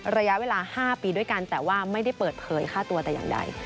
ระยะเวลา๕ปีด้วยกันแต่ว่าไม่ได้เปิดเผยค่าตัวแต่อย่างใด